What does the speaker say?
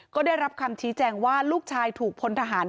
ก็ได้รับคำชี้แจงว่าลูกชายถูกพลทหาร